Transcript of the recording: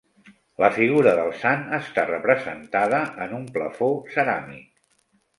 La figura del Sant està representada en un plafó ceràmic.